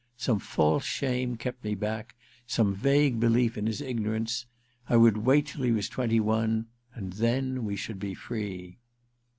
Some false shame kept me back, some vague belief in his ignorance. I would wait till he was twenty one, and then we should be free.